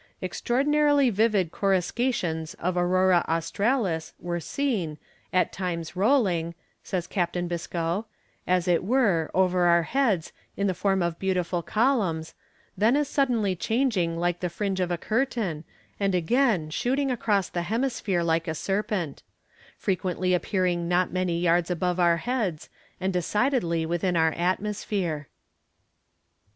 "Extraordinarily vivid coruscations of aurora australis (were seen), at times rolling," says Captain Biscoe, "as it were, over our heads in the form of beautiful columns, then as suddenly changing like the fringe of a curtain, and again shooting across the hemisphere like a serpent; frequently appearing not many yards above our heads, and decidedly within our atmosphere."